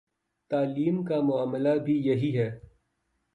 تعلیم کا معاملہ بھی یہی ہے۔